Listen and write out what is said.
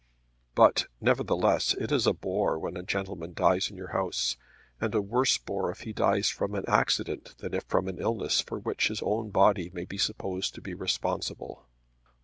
But nevertheless it is a bore when a gentleman dies in your house, and a worse bore if he dies from an accident than from an illness for which his own body may be supposed to be responsible.